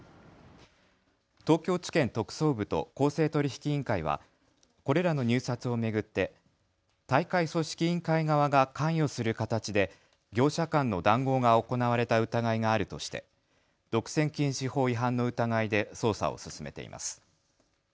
東京地検特捜部と公正取引委員会はこれらの入札を巡って大会組織委員会側が関与する形で業者間の談合が行われた疑いがあるとして独占禁止法違反の疑いで捜査を進めています。